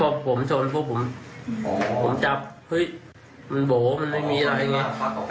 พอผมชนปุ๊บผมผมจับเฮ้ยมันโบ๋มันไม่มีอะไรอย่างนี้